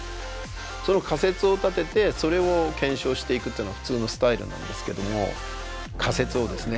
その仮説を立ててそれを検証していくっていうのが普通のスタイルなんですけども仮説をですね